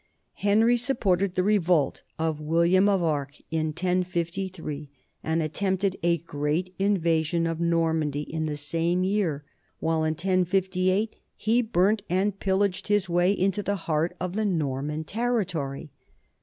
Henry supported the revolt of William of Arques in 1053 and attempted a great invasion of Normandy in the same year, while in 1058 he burnt and pillaged his way into the heart of the Norman territory.